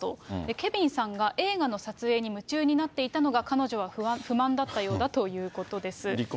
ケビンさんが映画の撮影に夢中になっていたのが、彼女は不満だったようだということです。